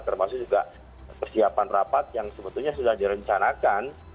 termasuk juga persiapan rapat yang sebetulnya sudah direncanakan